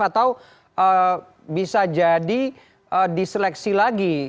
atau bisa jadi diseleksi lagi